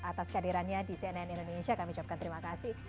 atas kehadirannya di cnn indonesia kami ucapkan terima kasih